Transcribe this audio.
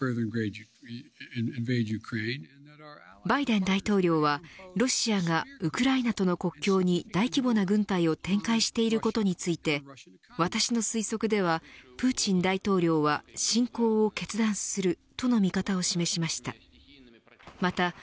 バイデン大統領はロシアがウクライナとの国境に大規模な軍隊を展開していることについて私の推測ではプーチン大統領は侵攻を決断するとの見方を示しました。